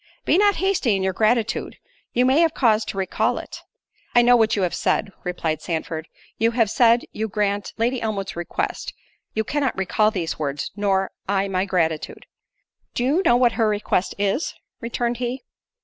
"Be not hasty in your gratitude; you may have cause to recall it." "I know what you have said;" replied Sandford, "you have said you grant Lady Elmwood's request—you cannot recall these words, nor I my gratitude." "Do you know what her request is?" returned he.